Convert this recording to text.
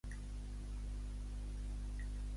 Està àmpliament considerada com tractable.